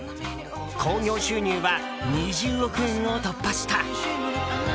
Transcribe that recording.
興行収入は２０億円を突破した。